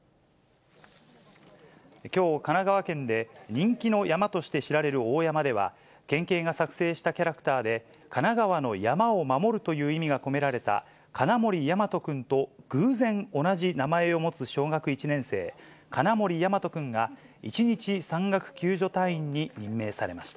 きょう、神奈川県で人気の山として知られる大山では、県警が作成したキャラクターで、神奈川の山を守るという意味が込められた、かなもりやまとくんと偶然、同じ名前を持つ小学１年生、金森弥真人君が、一日山岳救助隊員に任命されました。